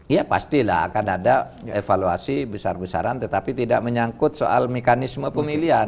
iya pasti lah akan ada evaluasi besar besaran tetapi tidak menyangkut soal mekanisme pemilihan